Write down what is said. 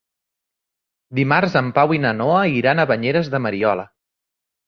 Dimarts en Pau i na Noa iran a Banyeres de Mariola.